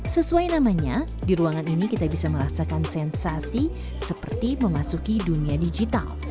sesuai namanya di ruangan ini kita bisa merasakan sensasi seperti memasuki dunia digital